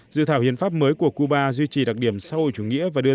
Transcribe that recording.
dự thảo hiến pháp mới của cuba duy trì đặc điểm sau hội chủ nghĩa